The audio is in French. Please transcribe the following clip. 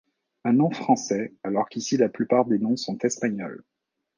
Un nom français, alors qu'ici la plupart des noms sont espagnols.